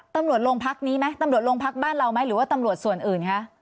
ตำรวจโรงพักนี้ไหมตำรวจโรงพักบ้านเราไหมหรือว่าตำรวจส่วนอื่นคะ